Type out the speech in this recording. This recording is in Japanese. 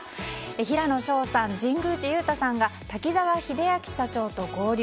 平野紫耀さん、神宮寺勇太さんが滝沢秀明社長と合流。